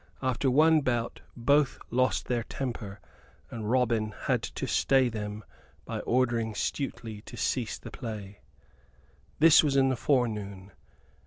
After one bout both lost their temper: and Robin had to stay them by ordering Stuteley to cease the play. This was in the forenoon.